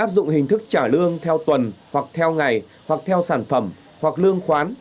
áp dụng hình thức trả lương theo tuần hoặc theo ngày hoặc theo sản phẩm hoặc lương khoán